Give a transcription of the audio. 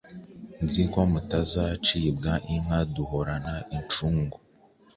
Nzi ko mutazacibwa inka Duhorana incungu